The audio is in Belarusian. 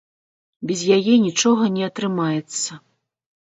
Без яе нічога не атрымаецца.